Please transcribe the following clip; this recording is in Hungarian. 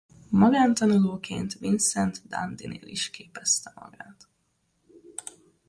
Magántanulóként Vincent d’Indynél is képezte magát.